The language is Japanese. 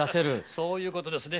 そういうことですね。